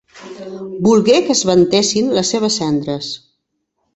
Volgué que esventessin les seves cendres.